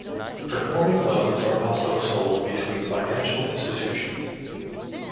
Performing loans are also sold between financial institutions.